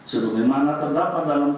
sedemikian terdapat dalam